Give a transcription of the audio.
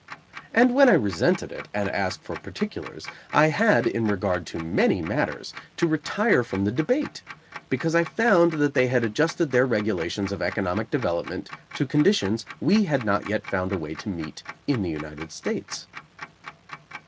And when I resented it, and asked for particulars, I had, in regard to many matters, to retire from the debate. Because I found that they had adjusted their regulations of economic development to conditions we had not yet found a way to meet in the United States.